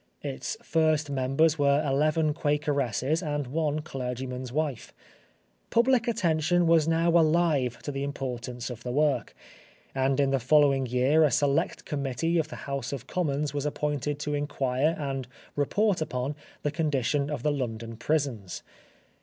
Its first members were eleven Quakeresses and one clergyman's wife. Public attention was now alive to the importance of the work; and in the following year a Select Committee of the House of Commons was appointed to inquire and report upon the condition of the London prisons.